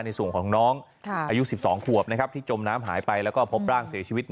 ในส่วนของน้องอายุ๑๒ขวบนะครับที่จมน้ำหายไปแล้วก็พบร่างเสียชีวิต